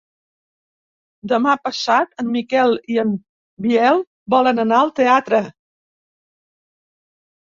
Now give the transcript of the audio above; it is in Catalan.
Demà passat en Miquel i en Biel volen anar al teatre.